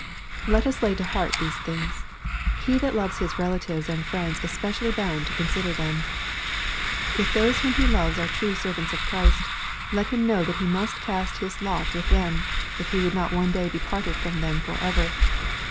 Let us lay to heart these things. He that loves his relatives and friends is specially bound to consider them. If those whom he loves are true servants of Christ, let him know that he must cast in his lot with them, if he would not one day be parted from them for ever.